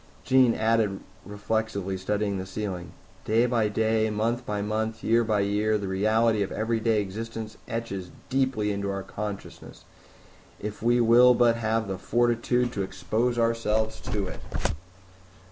Jean added reflectively, studying the ceiling, "Day by day, month by month, year by year, the reality of everyday existence etches deeply into our consciousness, if we will but have the fortitude to expose ourselves to it."